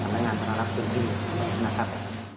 นักงานธนาลักษณ์สุดที่นะครับ